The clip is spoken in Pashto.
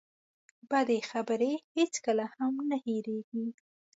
بدې خبرې هېڅکله هم نه هېرېږي.